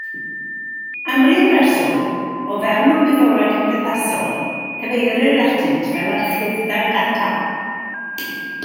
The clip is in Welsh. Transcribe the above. Am ryw reswm, o fewn y gwyddorau cymdeithasol, cyfeirir atynt fel archifdai data.